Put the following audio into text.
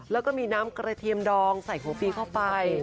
แล้วก็มีน้ำกระเทียมดองใส่หัวปีเข้าไป